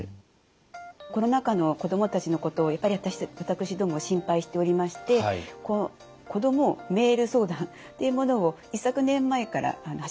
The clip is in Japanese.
コロナ禍の子どもたちのことをやっぱり私どもは心配しておりまして子どもメール相談っていうものを一昨年前から走らせているんですね。